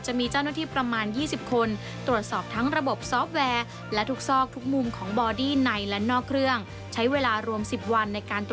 จะมีเจ้าหน้าที่ประมาณ๒๐คน